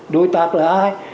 đối tác là ai